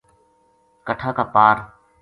کَٹھا کا پار